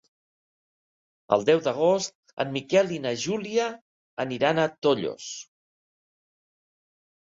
El deu d'agost en Miquel i na Júlia aniran a Tollos.